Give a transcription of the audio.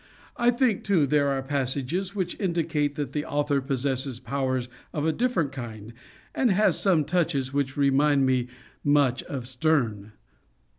I think, too, there are passages which indicate that the author possesses powers of a different kind, and has some touches which remind me much of Sterne."